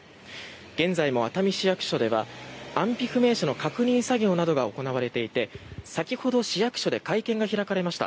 現在も熱海市役所では安否不明者の確認作業などが行われていて先ほど市役所で会見が開かれました。